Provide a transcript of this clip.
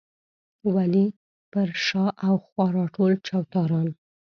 ولې پر شا او خوا راټول چوتاران.